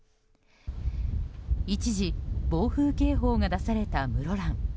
一時、暴風警報が出された室蘭。